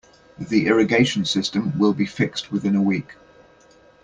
The irrigation system will be fixed within a week.